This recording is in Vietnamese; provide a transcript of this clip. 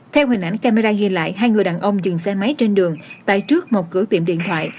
theo hình ảnh camera ghi lại hai người đàn ông dừng xe máy trên đường tại trước một cửa tiệm điện thoại